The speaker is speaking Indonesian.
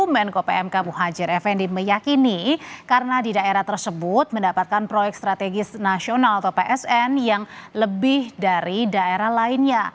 menko pmk muhajir effendi meyakini karena di daerah tersebut mendapatkan proyek strategis nasional atau psn yang lebih dari daerah lainnya